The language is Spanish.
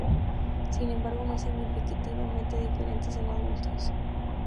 Sin embargo, no es significativamente diferente en adultos.